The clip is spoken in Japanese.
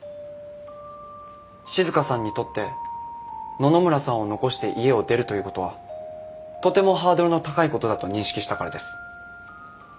静さんにとって野々村さんを残して家を出るということはとてもハードルの高いことだと認識したからです。